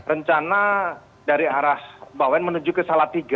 rencana dari arah bawen menuju ke salatiga